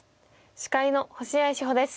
司会の星合志保です。